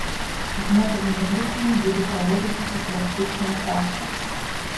З мэтавымі групамі будзе праводзіцца прафілактычная праца.